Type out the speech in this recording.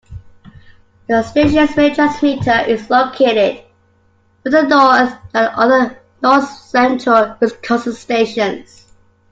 The station's main transmitter is located further north than other North-Central Wisconsin stations.